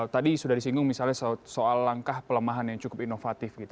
tadi sudah disinggung misalnya soal langkah pelemahan yang cukup inovatif gitu